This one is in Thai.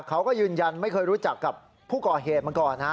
เขาก็ยืนยันไม่เคยรู้จักกับผู้ก่อเหตุมาก่อนนะ